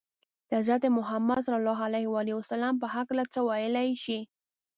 د حضرت محمد ﷺ په هکله څه ویلای شئ؟